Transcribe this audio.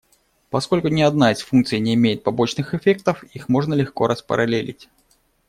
Поскольку ни одна из функций не имеет побочных эффектов, их можно легко распараллелить.